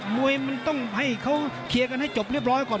มวยมันต้องให้เขาเคลียร์กันให้จบเรียบร้อยก่อน